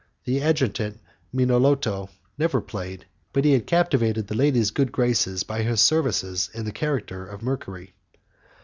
The Adjutant Minolto never played, but he had captivated the lady's good graces by his services in the character of Mercury.